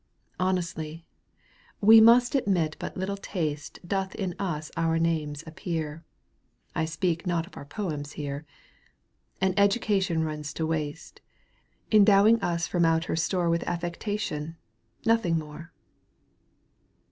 Honestly, We must admit but little taste Doth in us or our names appear ^ (I speak not of our poems here), And education runs to waste, Endowing us fix)m out her store With affectation, — nothing more.